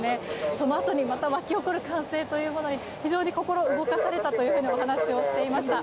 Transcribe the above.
そのあとに沸き起こる歓声に非常に心を動かされたとお話をしていました。